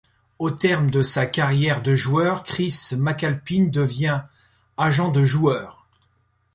Au terme de sa carrière de joueur, Chris McAlpine devient agent de joueur.